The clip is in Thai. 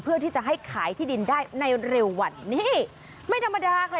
เพื่อที่จะให้ขายที่ดินได้ในเร็ววันนี้ไม่ธรรมดาค่ะ